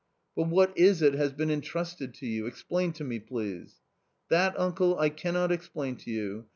" But what is it has been entrusted to you, explain to me, please." " That, uncle, I cannot explain to you.